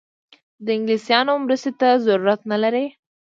د انګلیسیانو مرستې ته ضرورت نه لري.